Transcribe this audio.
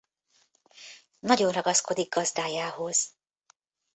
Nagyon ragaszkodik gazdájához.